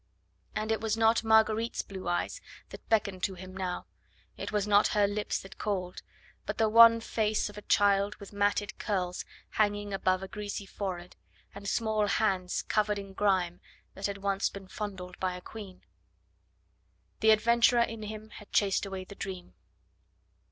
And it was not Marguerite's blue eyes that beckoned to him now, it was not her lips that called, but the wan face of a child with matted curls hanging above a greasy forehead, and small hands covered in grime that had once been fondled by a Queen. The adventurer in him had chased away the dream.